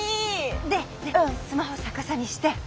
でスマホ逆さにして。